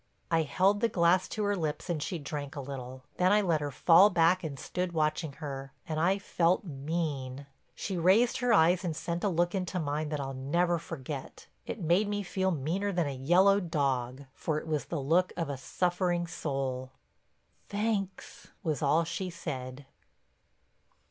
I held the glass to her lips and she drank a little. Then I let her fall back and stood watching her, and I felt mean. She raised her eyes and sent a look into mine that I'll never forget—it made me feel meaner than a yellow dog—for it was the look of a suffering soul. "Thanks," was all she said.